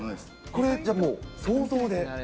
これ、じゃあもう、想像で。